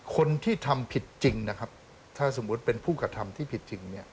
คนที่ทำผิดจริงนะครับถ้าสมมุติเป็นผู้กระทำที่ผิดจริงเนี่ย